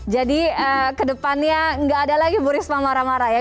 jadi ke depannya nggak ada lagi bu risma marah marah ya